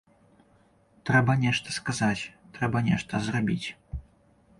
Трэба нешта сказаць, трэба нешта зрабіць.